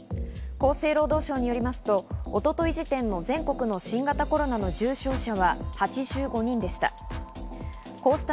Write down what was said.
厚生労働省によりますと一昨日時点の全国の新型コロナの重症者は８５人でした。